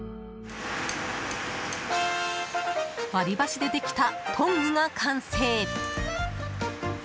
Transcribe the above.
割り箸でできたトングが完成。